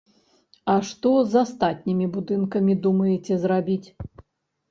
А што з астатнімі будынкамі думаеце зрабіць?